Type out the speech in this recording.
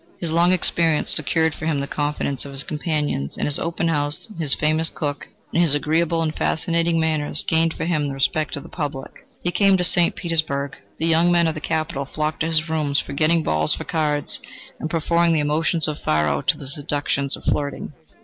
His long experience secured for him the confidence of his companions, and his open house, his famous cook, and his agreeable and fascinating manners gained for him the respect of the public. He came to St. Petersburg. The young men of the capital flocked to his rooms, forgetting balls for cards, and preferring the emotions of faro to the seductions of flirting.